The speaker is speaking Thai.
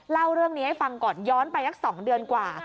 เล่าเรื่องนี้ให้ฟังก่อนย้อนไปสัก๒เดือนกว่า